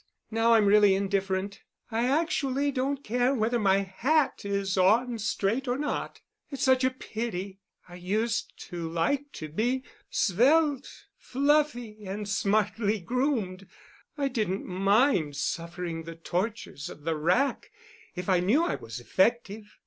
Now I'm really indifferent. I actually don't care whether my hat is on straight or not. It's such a pity. I used to like to be svelte, fluffy, and smartly groomed. I didn't mind suffering the tortures of the rack if I knew I was effective.